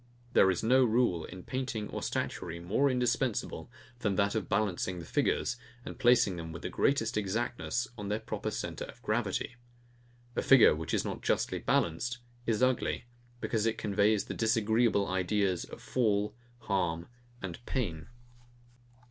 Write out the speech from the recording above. There is no rule in painting or statuary more indispensible than that of balancing the figures, and placing them with the greatest exactness on their proper centre of gravity. A figure, which is not justly balanced, is ugly; because it conveys the disagreeable ideas of fall, harm, and pain.